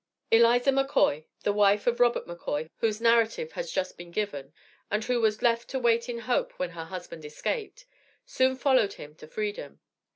ELIZA MCCOY the wife of Robert McCoy, whose narrative has just been given and who was left to wait in hope when her husband escaped soon followed him to freedom.